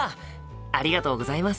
ありがとうございます。